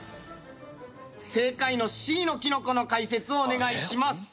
正解のＣのきのこの解説をお願いします。